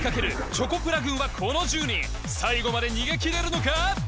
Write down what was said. チョコプラ軍はこの１０人最後まで逃げきれるのか？